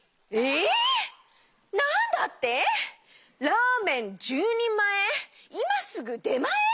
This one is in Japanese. ラーメン１０にんまえいますぐでまえ！？